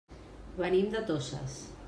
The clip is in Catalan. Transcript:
Venim de Toses.